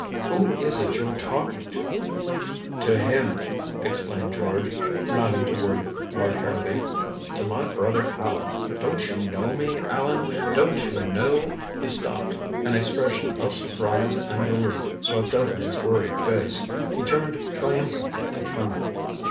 "Who is it you're talking to?" "To him," explained George, nodding toward Lord Harrowby. "To my brother Allan. Don't you know me, Allan? Don't you know " He stopped. An expression of surprise and relief swept over his worried face. He turned triumphantly to Trimmer.